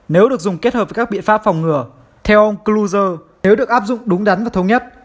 nếu được dùng kết hợp với các biện pháp phòng ngừa theo ông cluezer nếu được áp dụng đúng đắn và thống nhất